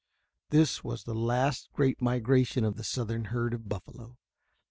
This was the last great migration of the southern herd of buffalo.